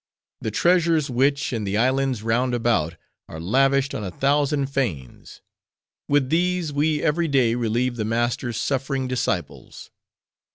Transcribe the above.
The treasures which, in the islands round about, are lavished on a thousand fanes;—with these we every day relieve the Master's suffering disciples.